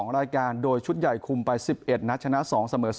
รายการโดยชุดใหญ่คุมไป๑๑นัดชนะ๒เสมอ๒